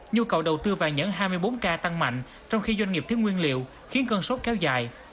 nhu cầu đầu tư vàng nhẫn hai mươi bốn k tăng mạnh trong khi doanh nghiệp thiếu nguyên liệu khiến cơn sốt kéo dài